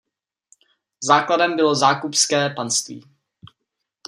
Základem bylo Zákupské panství.